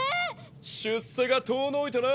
出世が遠のいたな！